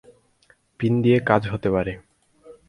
Pin দিয়ে কাজ হতে পারে।